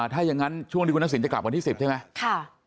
ถ้าอย่างนั้นช่วงที่คุณทักษิณจะกลับวันที่๑๐ใช่ไหม